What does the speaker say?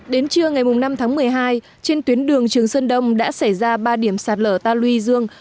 đến trưa ngày năm tháng một mươi hai trên tuyến đường trường sơn đông đã xảy ra ba điểm sạt lở ta luy dương